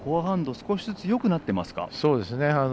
少しずつ、よくなっていますか。